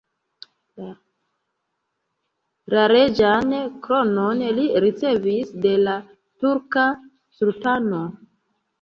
La reĝan kronon li ricevis de la turka sultano.